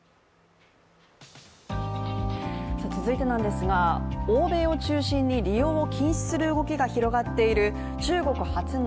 続いてなんですが、欧米を中心に利用を禁止する動きが広がっている中国発の